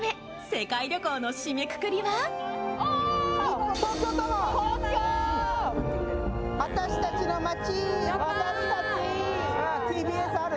世界旅行の締めくくりはＴＢＳある？